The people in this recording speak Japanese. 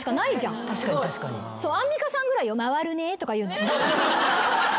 アンミカさんぐらいよ回るねぇとか言うの。